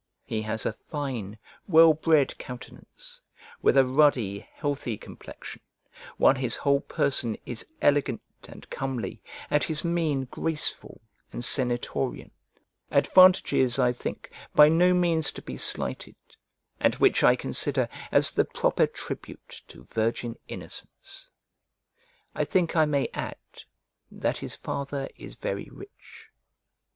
He has a fine, well bred, countenance, with a ruddy, healthy complexion, while his whole person is elegant and comely and his mien graceful and senatorian: advantages, I think, by no means to be slighted, and which I consider as the proper tribute to virgin innocence. I think I may add that his father is very rich.